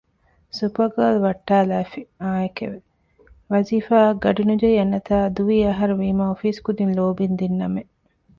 ސުޕަގާލް ވައްޓާލާފި އާއެކެވެ ވާޒީފާ އަށް ގަޑި ނުޖެހި އަންނަތާ ދުވި އަހަރުވީމަ އޮފީސް ކުދިން ލޯބިން ދިންނަމެއް